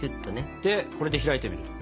でこれで開いてみる。